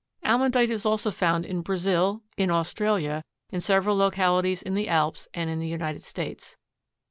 Almandite is also found in Brazil, in Australia, in several localities in the Alps, and in the United States.